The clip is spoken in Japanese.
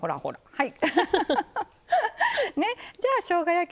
はい。